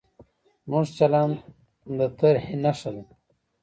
زموږ چلند د ترهې نښه ده.